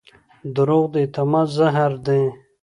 دروغ د اعتماد زهر دي.